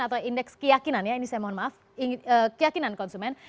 atau indeks keyakinan konsumen